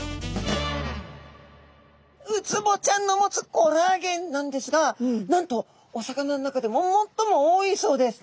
ウツボちゃんの持つコラーゲンなんですがなんとお魚の中でもっとも多いそうです。